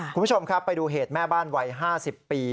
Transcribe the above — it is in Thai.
คุณผู้ชมครับไปดูเหตุแม่บ้านวัย๕๐ปี